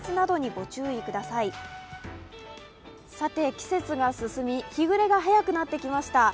季節が進み日暮れが早くなってきました。